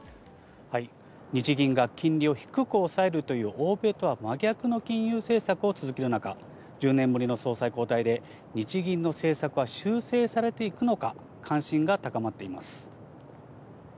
日銀が金利を低く抑えるという、欧米とは真逆の金融政策を続ける中、１０年ぶりの総裁交代で、日銀の政策は修正されていくのか、関心が高まっています。